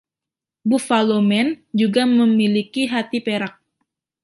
"Buffalo Man" juga memiliki hati perak.